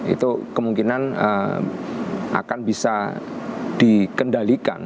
itu kemungkinan akan bisa dikendalikan